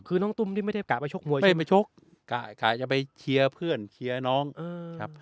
คือน้องตุ้มนี่ไม่ได้กะไปชกมวยไม่ใช่ไปชกกะจะไปเชียร์เพื่อนเชียร์น้องครับ